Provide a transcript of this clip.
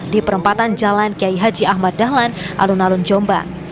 di perempatan jalan kiai haji ahmad dahlan alun alun jombang